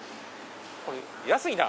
これ安いな！